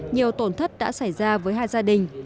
nhiều tổn thất đã xảy ra với hai gia đình